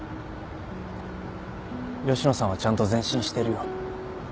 吉野さんはちゃんと前進してるよ。